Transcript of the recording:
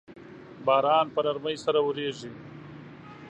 باران په نرمۍ سره اوریږي